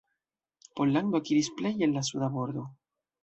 Pollando akiris plej el la suda bordo.